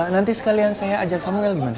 nanti sekalian saya ajak samuel gimana